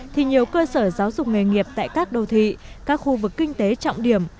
thì nhiều cơ sở giáo dục nghề nghiệp tại các đô thị các khu vực kinh tế trọng điểm